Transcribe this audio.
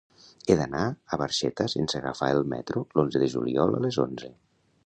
He d'anar a Barxeta sense agafar el metro l'onze de juliol a les onze.